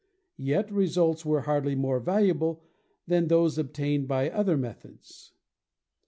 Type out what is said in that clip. Yet results were hardly more valuable than those obtained by the other methods.